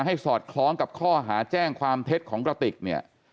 สอดคล้องกับข้อหาแจ้งความเท็จของกระติกเนี่ย